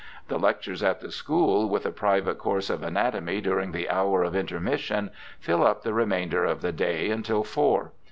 The lectures at the school, with a private course of anatomy during the hour of intermission, fill up the remainder of the day until four.